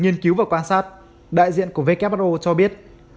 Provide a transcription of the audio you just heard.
nghiên cứu và quan sát đại diện của who cho biết